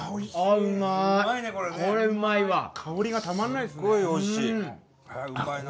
香りがたまんないですね。